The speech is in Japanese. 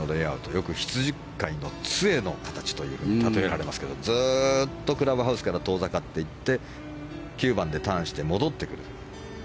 よく羊飼いの杖の形というふうにたとえられますけどずっとクラブハウスから遠ざかっていって９番でターンして戻ってくる。